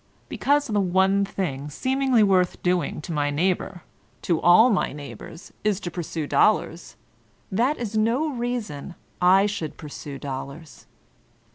Because the one thing seemingly worth doing to my neighbor, to all my neighbors, is to pursue dollars, that is no reason I should pursue dollars.